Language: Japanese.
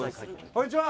こんにちは！